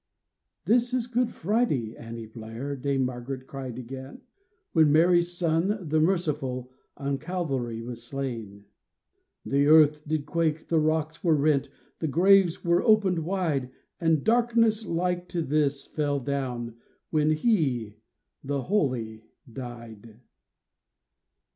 360 EASTER MORNING " This is Good Friday, Annie Blair," Dame Margaret cried again, '' When Mary's Son, the Merciful, On Calvary was slain. '' The earth did quake, the rocks were rent, The graves were opened wide, And darkness like to this fell down When He— the Holy— died.